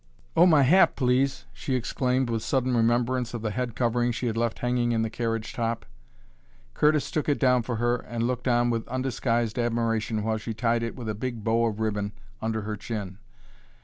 "Oh, my hat, please!" she exclaimed, with sudden remembrance of the head covering she had left hanging in the carriage top. Curtis took it down for her and looked on with undisguised admiration while she tied it with a big bow of ribbon under her chin.